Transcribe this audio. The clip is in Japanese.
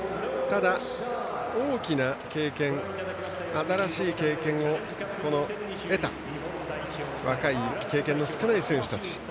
ただ、大きな経験新しい経験を得たという若い経験の少ない選手たち。